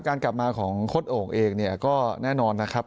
การกลับมาของโค้ดโอ่งเองเนี่ยก็แน่นอนนะครับ